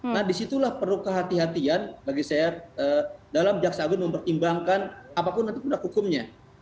nah disitulah perlu kehatian bagi saya dalam jaksa agung mempertimbangkan apapun nanti produk hukumnya